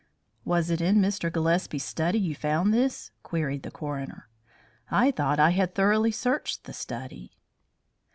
"Was it in Mr. Gillespie's study you found this?" queried the coroner. "I thought I had thoroughly searched the study."